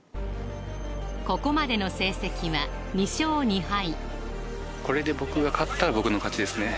ここまでの成績は２勝２敗